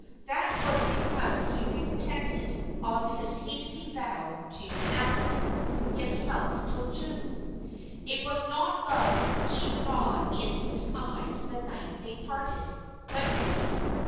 That was because he repented of his hasty vow to absent himself till June. It was not love she saw in his eyes the night they parted, but pity.